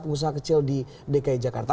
pengusaha kecil di dki jakarta